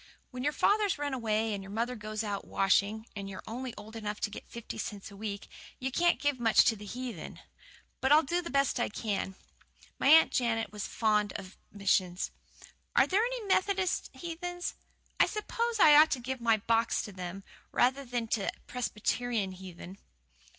When your father's run away, and your mother goes out washing, and you're only old enough to get fifty cents a week, you can't give much to the heathen. But I'll do the best I can. My Aunt Jane was fond of missions. Are there any Methodist heathen? I s'pose I ought to give my box to them, rather than to Presbyterian heathen."